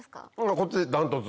こっち断トツ。